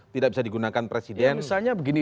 tidak bisa digunakan presiden misalnya begini